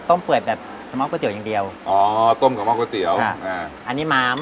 ต้มเปิดแบบขมอดก๋วยเจ๋วอย่างเดียวอ๋อต้มขมอดก๋วยเจ๋วอ่า